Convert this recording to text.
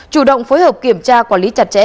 chủ động phối hợp kiểm tra quản lý chặt chẽ